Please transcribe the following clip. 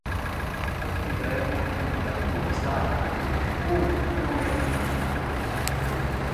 A vida é uma aventura ousada ou não é nada.